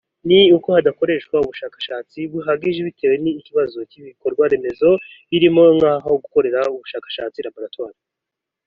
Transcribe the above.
ni uko hadakorwa ubushakashatsi buhagije bitewe n’ikibazo cy’ibikorwa remezo birimo nk’aho gukorera ubushakashatsi (Laboratoire)